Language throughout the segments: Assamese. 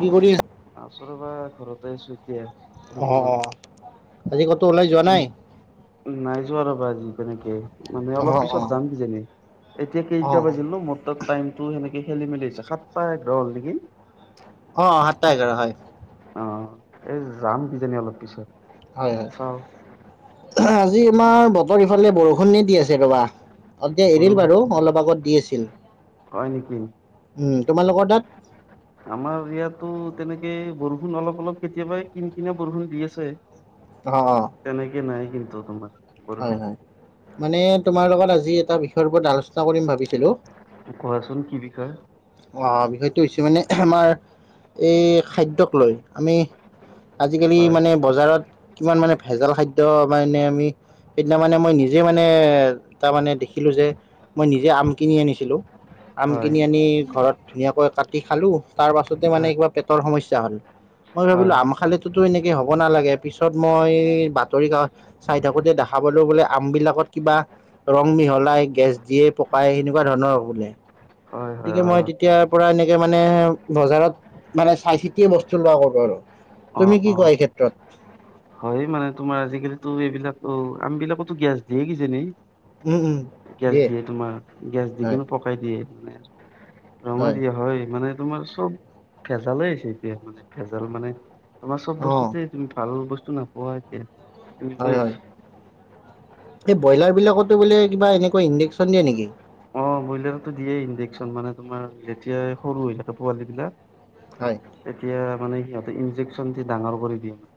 কি কৰি আছ আছোঁ ৰবা ঘৰতে আছো এতিয়া অ অ ৰুমত। আজি কতো ওলাই যোৱা নাই? উম, নাই যোৱা ৰবা আজি কেনেকে মানে অ অ অলপ পিছত যাম কিজানি, এতিয়া অ কেইটা বাজিল ন? মোৰ তাত টাইমটো সেনেকে খেলি মেলি হৈছে। সাতটা এঘাৰ হৈছে নেকি। অ সাতটা এঘাৰ হয়। অ, এই যাম কিজানি অলপ পিছত। হয়, হয় চাওঁ আজি আমাৰ বতৰ ইফালে বৰষুণ দি আছে ৰবা। এতিয়া এৰিল বৰষুণ বাৰু অলপ আগত দি আছিল। হয় নেকি উম! তোমালোকৰ তাত? আমাৰ ইয়াতো তেনেকে বৰষুণ অলপ অলপ কেতিয়াবাই কিন কিনিয়া বৰষুণ দি আছে। অ, অ! তেনেকে নাই কিন্তু তোমাৰ হয়, বৰষুণ হয় মানে তোমাৰ লগত আজি এটা বিষয়ৰ ওপৰত আলোচনা চা কৰিম ভাবিছিলো। কোৱাচোন কি বিষয় অ বিষয়টো হৈছে মানে, আমাৰ এই খাদ্যক লৈ, আমি- আজিকালি হয় মানে বজাৰত কিমান মানে ভেজাল খাদ্য মানে এনে আমি - সেইদিনা মানে মই নিজে মানে তাৰ মানে দেখিলো যে মই নিজে আম কিনি আনিছিলো। আম হয় কিনি আনি ঘৰত- ধুনীয়াকৈ কাটি খালো, তাৰ পাছতে মানে হয় কিবা পেটৰ সমস্যা হ'ল। মই ভাবিলো হয় আম খালোতো এনেকে হ'ব নালাগে, পিছত মই বাতৰি কাকত চাই থাকো - তে দেখা পালো বোলে আম বিলাকত কিবা- ৰং মিহলাই, গেছ দিয়ে পকাই, সেনেকুৱা ধৰণৰ বোলে। হয় হয় হয় গতিকে মই তেতিয়াৰ পৰা এনেকে মানে বজাৰত- মানে চাই চিতিয়ে বস্তু লোৱা কৰো আৰু, অ তুমি কি অ অ কোৱা এই ক্ষেত্ৰত! হয় মানে তোমাৰ আজিকালিতো এইবিলাক অ আম বিলাকতো গেছ দিয়ে কি জানি! উম, উম, গেছ দিয়ে তোমাৰ গেছ দি হয়, কিনু পকাই দিয়ে মানে। ৰঙে দিয়া হয়, মানে তোমাৰ চব ভেজালে হৈছে এতিয়া মানে ভেজাল মানে - তোমাৰ চব অ', বস্তুতে তুমি ভাল বস্তু নাপোৱা এতিয়া হয়, তেনেকুৱাই হয়। হৈছে। এই ব্ৰইলাৰ বিলাকটো বোলে কিবা এনেকুৱ ইনডেকশ্যন দিয়ে নেকি? অ ব্ৰইলাৰতো দিয়ে ইনডেকশ্যন মানে তোমাৰ যেতিয়াাই সৰু হৈ থাকে পোৱালী বিলাক। হয়, তেতিয়া মানে সিহঁতে ইনডেকশ্যন দি ডাঙৰ কৰি দিয়ে মানে।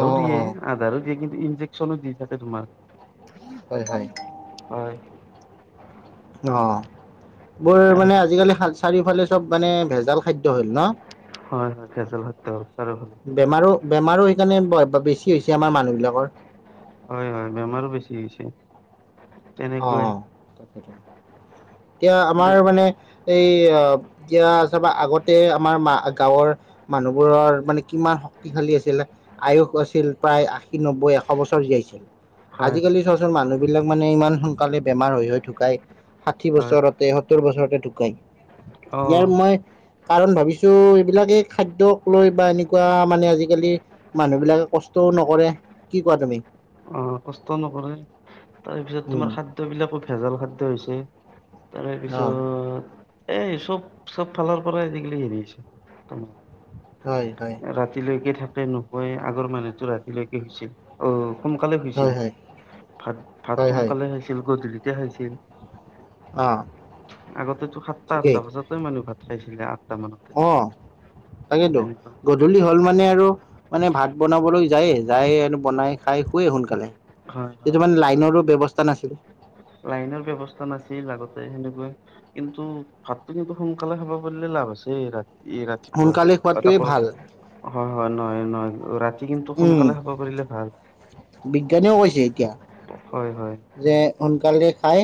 অ', দিয়ে অ', আধাৰো দিয়ে কিন্তু ইনজেকশ্যনো দি থাকে তোমাৰ। হয়, হয়। হয়। অ, বৰ আৰু মানে আজিকালি চাৰিওফালে চব মানে ভেজাল খাদ্য হ'ল ন! হয় ভেজাল হলটো চাৰিও ফালে। বেমাৰো বেমাৰো সেইকাৰণে বেছি হৈছে আমাৰ মানুহবিলাকৰ। হয়, হয় বেমাৰ - বেমাৰো বেছি হৈছে। তেনেকৈ অঁ, তাকেই টো। এতিয়া আমাৰ মানে এই এতিয়া চাবা আগতে আমাৰ মা গাঁৱৰ- মানুহবোৰৰ মানে কিমান শক্তিশালী আছিলে। আয়ুস আছিল প্ৰায় আশী, নব্বৈ, এশ বছৰ জীয়াইছিল। হয় আজিকালি হয় চোৱা চোন মানুহবিলাক মানে ইমান - সোনকালে বেমাৰ হৈ হৈ ঢুকাই, ষাঠি হয় বছৰতে, সত্তৰ বছৰতে ঢুকাই। অ ইয়াৰ মই - কাৰণ ভাবিছো এইবিলাকে খাদ্যক লৈ বা এনেকুৱা মানে আজিকালি- মানুহ বিলাকে কষ্টও নকৰে, কি কোৱা তুমি? অ কষ্ট নকৰে, তাৰপিছত উম তোমাৰ খাদ্য বিলাকো ভেজাল খাদ্যয হৈছে। তাৰে অ পিছত এই চ'ব চ'ব ফালৰ পৰা আজি কালি হেৰি হৈছে তোমাৰ। হয়, হয়। ৰাতিলৈকে থাকে নুশুয়, আগৰ মানুহতো ৰাতিলৈকে শুইছিল, অ সোনকালে হয় শুইছিল। হয় ভাত ভাত হয় হয় সোনকালে খাইছিল, গধূলিতে খাইছিল। অ আগতেতো সাতটা ঠিকেই আঠটা বজাতে মানুহ ভাত খাইছিলে আঠটা মানতে। অ, তাকেতো। তেনেকুৱা গধূলি হ'ল মানে আৰু মানে ভাত বনাবলৈ যায়ে, যায়ে আৰু বনাই খাই শুৱে সোনকালে। হয় হয় তেতিয়া মানে লাইনৰো ব্যবস্থা নাছিল। লাইনৰ ব্যৱস্থা নাছিল আগতে সেনেকুৱা। কিন্তু ভাততো কিন্তু সোনকালে খাব পাৰিলে লাভ আছে ৰাতি। ৰাতিপুৱা সোনকালে অ খোৱাটোৱে তাপৰ ভাল। হয় হয় নহয় নহয় ৰাতি কিন্তু উম সোনকালে খাব পাৰিলে ভাল। বিজ্ঞানেও কৈছে এতিয়া। হয় হয়। যে সোনকালে খাই।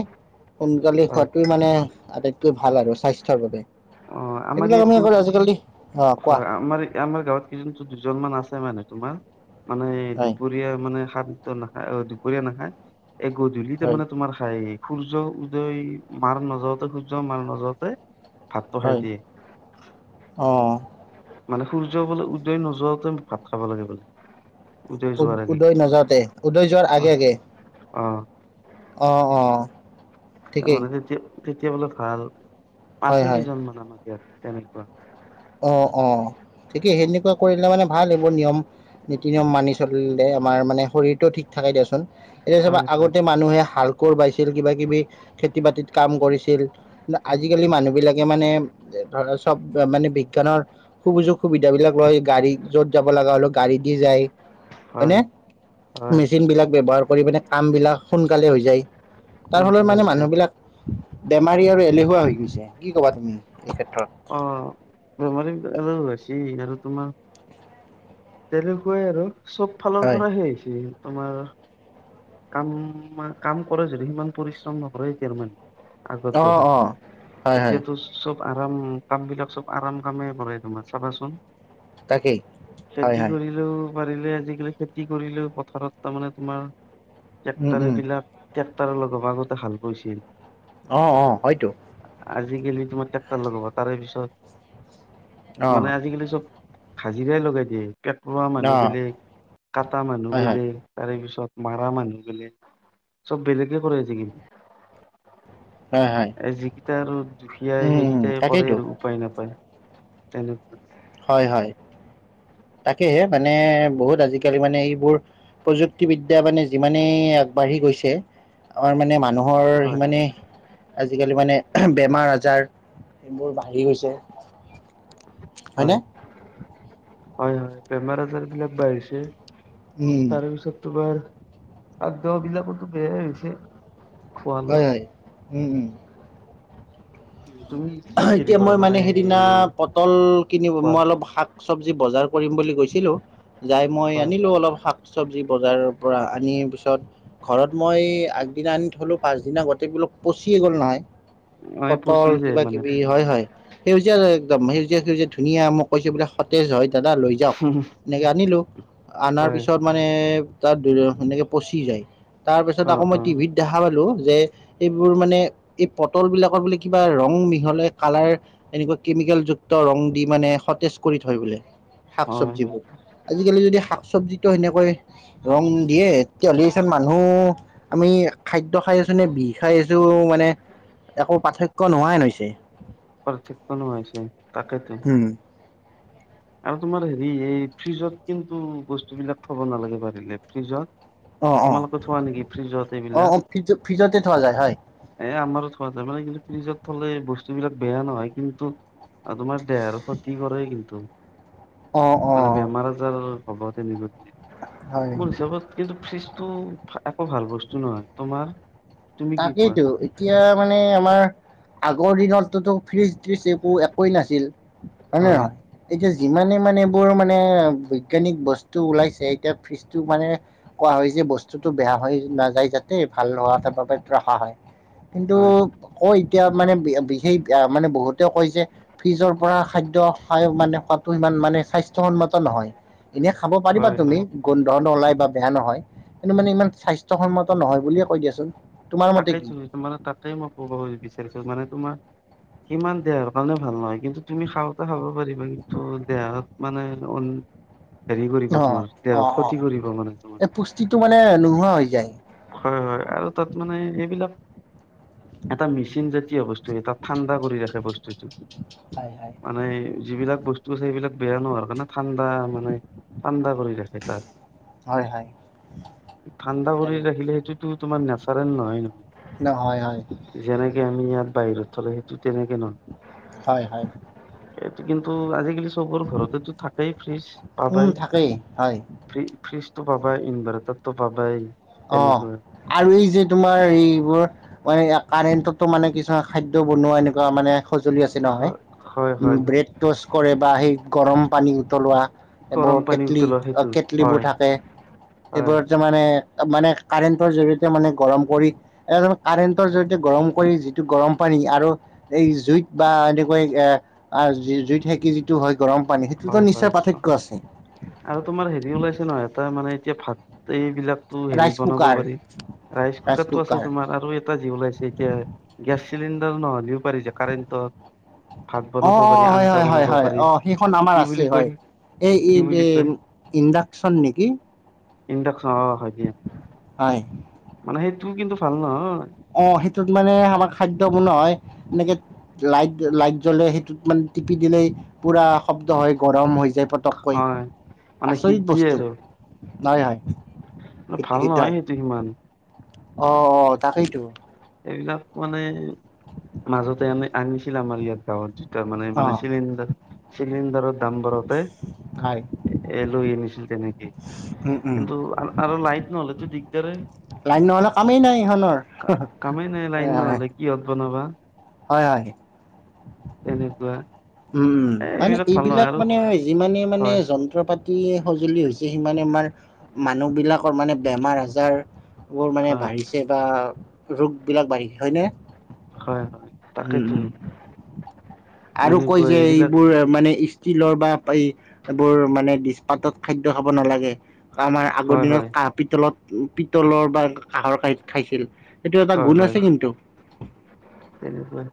সোনকালে হয় খোৱাতে মানে আটাইতকৈ ভাল আৰু স্বাস্থ্যৰ বাবে। অ আমাৰ এইবিলাক ইয়াত আমি আজিকালি অ কোৱা। এতিয়া আমাৰ গাঁৱত কেইজন দুজনমান আছে মানে তোমাৰ মানে হয় দুপৰীয়া মানে সাত। ত নাখায় অ দুপৰীয়া নাখায় এই গধূলিতে হয় মানে তোমাৰ খায়। সূৰ্য্য উদয় মাৰ নাযাওঁতেই সূৰ্য্য মাৰ নাজাওঁতে ভাতটো খাই দিয়ে। অ। মানে সূৰ্য্য বোলে উদয় নোযোৱাতে ভাত খাব লাগে বোলে। উজাই উদ যোৱাৰ আগে উদৈ নাযাওঁতে উদৈ যোৱাৰ অ আগে আগে। অ অ অ। তাৰ মানে তেতিয়া তেতিয়া বোলে ভাল হয় আছে হয় কেইজনমানান আমাৰ ইয়াত তেনেকুৱা। অ অ ঠিকেই সেনেকুৱা কৰিলে মানে ভাল এইবোৰ নিয়ম। নীতি নিয়ম মানি চলিলে আমাৰ মানে শৰীৰটো ঠিক থাকে দিয়চোন। এতিয়া চবা হয় হয় আগতে মানুহে হাল কৰ বাইছিল কিবা কিবি খেতি বাতিত কাম কৰিছিল। আজিকালি মানুহ বিলাকে মানে ধৰা চ'ব মানে। বিজ্ঞানৰ সুযোগ সুবিধা বিলাক লয়, গাড়ীত য'ত যাব লগা হ'লেও গাড়ী দি যায়। হয় হয়নেে হয় মেচিন বিলাক ব্যৱহাৰ কৰি পেলায় কাম বিলাক সোনকালে হৈ যায়। তাৰফলত সোনকালে মানে হৈছে মানুহবিলাক। বেমাৰী আৰু এলেহুৱা হৈ গৈছে কি কবা তুমি এই ক্ষেত্ৰত। অ। বেমাৰি। শিনোৰ তোমাৰ। তেনেকুৱাই আৰু চ'ব ফালৰ হয় পৰাহে হেৰি হৈছে। তোমাৰ কাম কাম কৰে যদি সিমান পৰিশ্ৰম নকৰে এতিয়াৰ মানে। অ', অ', হয় হয়। এতিয়াতো চব আৰাম, কাম বিলাক চব আৰাম কামেই কৰে তোমাৰ চাবাচোন। তাকেই। হয় খেতি হয় কৰিলেও পাৰিলে আজিকালি খেতি কৰিলেও পথাৰত তাৰমানে তোমাৰ উম ট্ৰেক্টাৰ উম বিলাক ট্ৰেক্টাৰৰ লগ ভাগতে ভাল কৰিছিল। অ', অ', হয়টো। আজিকালি তোমাৰ ট্ৰেক্টাৰ লগাব, তাৰে অ পিছত মানে আজিকালি চব হাজিৰা লগাই দিয়ে, টেক্টৰৰ অ মানুহ বেলেগ কাটা মানুহ হয় হয় বেলেগ তাৰে পিছত মৰা মানুহ বোলে, চব বেলেগে কৰি আছে কিন্তু। হয় হয় এ যিকেইটা আৰু দুখীয়াাই উম উম সেইকেইটাই কৰে তাকেইতো আৰু। উপায় নাপায়। তেনেকুৱা। হয় হয়, তাকেহে মানে বহুত আজিকালি মানে এইবোৰ প্ৰযুক্তিবিদ্যা মানে যিমানেই আগবাঢ়ি গৈছে আমাৰ মানে মানুহৰ হয় সিমানে আজিকালি মানে বেমাৰ আজাৰ এইবোৰ বাঢ়ি গৈছে। হয় হয়নে হয় হয়, বেমাৰ আজাৰ বিলাক বাঢ়িছে। উম তাৰেপিছত তোমাৰ আদদহ বিলাকোতো বেয়াই হৈছে। খোৱা লোৱা হয় হয়, উম উম। তুমি কি হয় হেৰি এতিয়া কৰা মই মানে সেইদিনা পটল কিনিব কোৱা মই অলপ শাক। চবজি বজাৰ কৰিম বুলি গৈছিলো, যাই মই হয় আনিলো অলপ শাক। চবজি বজাৰৰ পৰা আনি পিছত ঘৰত মই আগদিনা আনি থলো, পাছদিনা গোটেইবিলাক পচিয়েই গ'ল নহয়। অ পচি পটল যায় কিবা মানে কিবি, হয় হয়। সেউজীয়া একদম সেউজীয়া সেউজীয়া ধুনীয়া মোক কৈছো বোলে। সতেজ হয় দাদা লৈ যাওক, এনেকে আনিলো অনাৰ হয় পিছত মানে তাত সেনেকে পচি যায়, তাৰ পিছত অ আকৌ মই অ টিভিত দেখা পালো, যে এইবোৰ মানে এই পটল বিলাকৰ বোলে কিবা ৰং ৰং মিহাই কালাৰ এনেকুৱা কেমিকেল যুক্ত ৰং দি মানে সতেজ কৰি থয় বোলে। শাক হয় হয় চবজিবোৰ আজিকালি যদি শাক চবজিতো সেনেকৈ ৰং দিয়ে তেতিয়াহ'লে চোন মানুহ আমি খাদ্য খাই আছো নে বিষ খাই আছো মানে একো পাৰ্থক্য নোহোৱা নাইন হৈছে। পাৰ্থক্য নোহোৱা হৈছে তাকেইতো। উম। আৰু তোমাৰ হেৰি এই ফ্ৰিজত কিন্তু বস্তুবিলাক থব নালাগে পাৰিলে ফ্ৰিজত। অ অ তোমালোকে থোৱা নেকি ফ্ৰিজত অ অ এইবিলাক। ফ্ৰিজ ফ্ৰিজতে থোৱা যায় হয় এ আমাৰো থোৱা যায় মানে কিন্তু ফ্ৰিজত থলে বস্তুবিলাক বেয়া নহয় কিন্তু। আৰু তোমাৰ দেহৰ ক্ষতি কৰে কিন্তু। অ অ মানে বেমাৰ আজাৰ হব তেনে গতি, হয় মোৰ হিচাপত কিন্তু ফ্ৰিজ টো একো ভাল বস্তু নহয়। তোমাৰ তুমি কি কোৱা তাকেইতো। এতিয়া মানে আমাৰ আগৰ দিনত টোতো ফ্ৰিজ ত্ৰিজ এইবোৰ একোৱেই নাছিল। হয়নে হয় নহয়? এতিয়া যিমানেই মানে এইবোৰ মানে বৈজ্ঞানিক বস্তু ওলাইছে এতিয়া ফ্ৰিজটো মানে কোৱা হয় যে বস্তুটো বেয়া হৈ নাযায় যাতে ভাল নোহোৱাকে বাবে ৰখা হয়, কিন্তু হয় কই এতিয়া মানে বিশেষ মানে বহুতে কয় যে ফ্ৰিজৰ পৰা খাদ্য খাই মানে খোৱাটো ইমান মানে স্বাস্থ্যসন্মত নহয়। এনেই খাব পাৰিবা হয় তুমি, হয় গোন্ধ নোলাই বা বেয়া নহয়। কিন্ত মানে ইমান স্বাস্থ্যসন্মত নহয় বুলিয়েই কৈ দিয়াচোন। তোমাৰ মতে কি? তাকেইটো যিটো মানে তাক। সেইটোৱে মই ক'ব বিচাৰিছো, মানে তোমাৰ কিমান দেহৰ কাৰণে ভাল নহয়, কিন্তু তুমি খাওঁতে খাব পাৰিবা কিন্তু দেহত মানে হেৰি কৰিব অ', তোমাৰ দেহত অ', অ', ক্ষতি কৰিব মানে তোমাৰ এই পুষ্টিটো মানে নোহোৱা হৈ যায়। হয় হয় আৰু তাত মানে এইবিলাক এটা মিচিন জাতীয় বস্তু তাত ঠাণ্ডা কৰি ৰাখে বস্তুটো হয়, হয়, মানে যিবিলাক বস্ তো সেইবিলাক বেয়া নোহোৱাৰ কাৰণে ঠাণ্ডা মানে ঠাণ্ডা কৰি ৰাখে তাত হয়, হয়, ঠাণ্ডা কৰি তাকে ৰাখিলে সেইটো তোমাৰ নেচা নেচাৰেল নহয় নহয় নহয় হয় যেনেকে আমি ইয়াত বাহিৰত থলে সেইটো তেনেকে ন হয় হয় এইটো কিন্তু আজিকালি চবৰে ঘৰতেতো থাকেই ফ্ৰিজ পাবাই উম, থাকেই হয়। ফ্ৰি -ফ্ৰিজটো পাবাই, ইনভাৰ্টাৰটো পাবাই। অ তেনেকুৱা আৰু এই যে তোমাৰ এইবোৰ মানে ইয়াত কাৰেণ্টতো মানে কিছুমান খাদ্য বনোৱা এনেকুৱা মানে সঁজুলি আছে নহয়। হয় হয় উম হয় হয় ব্ৰেড টচ কৰে বা সেই গৰম পানী উতলোৱা গৰম এইবোৰ পানী কেটলি, উতলোৱা অ সেইটো কেটলিবোৰ হয় থাকে হয় এইবোৰত ত মানে তা মানে কাৰেণ্টৰ জৰিয়তে মানে গৰম কৰি এ জানো কাৰেণ্টৰ জৰিয়তে গৰম কৰি যিটো গৰম পানী আৰু এই জুইত বা এনেকৈ এ আ জুইত সেকি যি টো হয় গৰম পানী হয় সেইটোতো হয় নিশ্চয় পাৰ্থক্য আছে। আৰু তোমাৰ হেৰি ওলাইছে নহয় এটা মানে এতিয়া ভাত এইবিলাক তো হেৰি ৰাইচ বনাব কুকাৰ পাৰি, ৰাইচ কুকাৰটো আছে তোমাৰ আৰু এ টা যি ওলাইছে এতিয়া গেছ চিলিণ্ডাৰ নহ'লেও পাৰি যে কাৰেণ্টত ভাত অ বনাব অ পাৰি হয় আঞ্জা হয় হয় বনাব হয় পাৰি অ সি খন আমাৰ কি আছে বুলি কয় হয়, এ এই এই কি বুলি কয় ইণ্ডাকচন নেকি? ইণ্ডাকচন অ হয় দিয়া হয় মানে সেইটো কিন্তু ভাল নহয়। অ সেইটোত মানে আমাৰ খাদ্য বনোৱা হয় এনেকে লাইট - লাইট জ্বলে সেইটোত মানে টিপি দিলেই পুৰা শব্দ হয় গৰম হৈ যায় পত টপকৈ হয় মানে হিট আচৰিত দিয়ে বস্তু, আৰু নয় হয় সি সিদ্ধ হয়। টো সিমান অ অ তাকেইতো। এইবিলাক মানে মাজতে আনি আনিছিল আমাৰ ইয়াত গাঁৱত দু তাৰ মানে অ মানে চিলিণ্ডাৰ চিলিণ্ডাৰৰ দাম বাঢ়তে। হয় এ এ লৈ আনিছিল তেনেকে উম উম কিন্তু আ আৰু লাইট নহলে তো দিগদাৰে। লাইন নহ'লে কামেই নাই ইহনৰ, হহ কামেই নাই লাইন হ হয়। নহ'লে কিহত বনাবা? হয় হয়। তেনেকুৱা উম এ মানে ভাল নহয় এইবিলাক আৰু মানে ইমানে মানে হয় যন্ত্ৰ পাত টো সেই সঁজুলি হৈছে সিমানে আমাৰ মানুহবিলাকৰ মানে বেমাৰ - আজাৰ বোৰ মানে হয় বাঢ়িছে বা ৰোগবিলাক বাঢ়ি হয় নে? হয় হয় তাকেইতো। আৰু কয় যে এইবোৰ মানে ইচ তিলৰ বা এই এইবোৰ মানে দিচপাতত খাদ্য খাব নালাগে। কা আমাৰ আগৰ হয় হয় দিনত কাহ - পিতলত পিতলৰ বা কাঁহৰ কাঁহীত খাইছিল। এইটো এটা গুণ আছে কিন্তু। তেনেকুৱাই,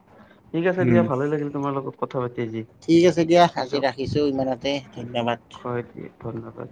ঠিক আছে উম দিয়া ভালে লাগিল তোমাৰ লগত কথা পাতি আজি। ঠিক আছে দিয়া আজি পিছত ৰাখিছোঁ ইমানতে ধন্যবাদ। এ ধন্যবাদ।